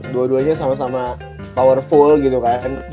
dua duanya sama sama powerful gitu kan